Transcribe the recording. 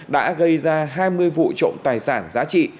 đã gây ra hai mươi vụ trộm tài sản giá trị